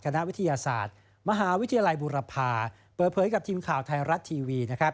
คณะวิทยาศาสตร์มหาวิทยาลัยบุรพาเปิดเผยกับทีมข่าวไทยรัฐทีวีนะครับ